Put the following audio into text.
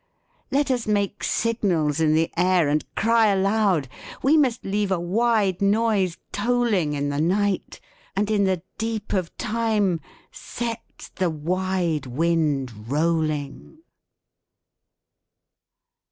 Let us make signals in the air and cry aloud. We must leave a wide noise tolling in the night; and in the deep of time, set the wide wind rolling.